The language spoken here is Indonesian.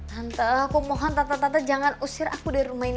tante aku mohon tata tata jangan usir aku dari rumah ini